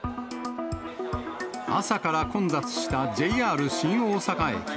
朝から混雑したＪＲ新大阪駅。